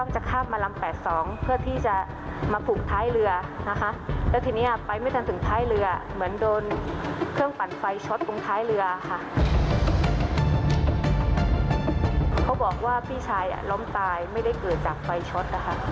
จอสัน่าใจว่าพี่ชายล้อมตายไม้เกิดจากไฟช็อต